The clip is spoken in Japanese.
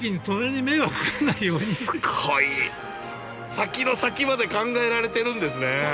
先の先まで考えられてるんですね。